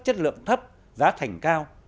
chất lượng thấp giá thành cao